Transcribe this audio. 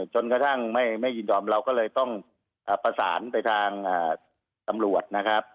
จนกระทั่งไม่ยินยอมเราก็เลยต้องประสานไปทางตำรวจนะครับ